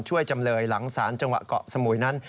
จำเลยหลังศาลจังหวัดเกาะสมุยนั้น